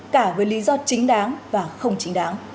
cả với lý do chính đáng và không chính đáng